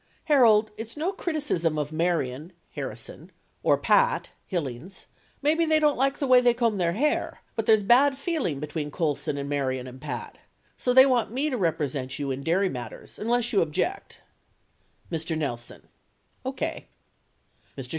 Harold, it's no criticism of Marion [Harri son] or Pat [Hillings] ; maybe they don't like the way they comb their hair, but there's bad feeling between Colson and Marion and Pat. So they want me to represent you in dairy matters unless you object. Mr. Nelson. Okay. Mr.